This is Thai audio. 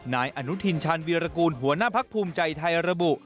นายอนุทินชาญวีรกูลหัวหน้าพักภูมิใจไทยระบุ